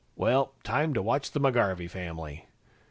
"Well time to watch the McGarvey Family."